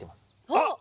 あっ！